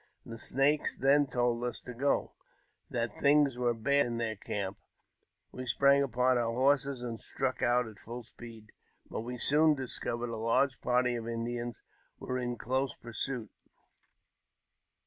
The Snakes then I old us to go, that things were bad in their camp. We sprang ipon our horses, and struck out at full speed ; but we soon Uscovered a large party of Indians were in close pursuit.